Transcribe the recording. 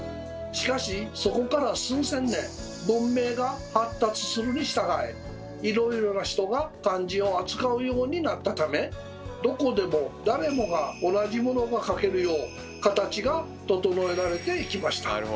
しかしそこから数千年文明が発達するにしたがいいろいろな人が漢字を扱うようになったためどこでも誰もが同じものが書けるよう形が整えられていきました。